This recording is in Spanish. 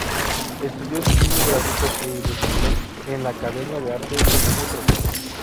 Estudió Diseño Gráfico e Ilustración en la Academia de arte de Utrech.